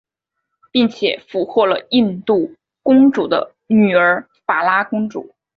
并且俘获了印度公王的女儿法拉公主。